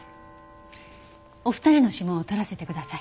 お二人の指紋を採らせてください。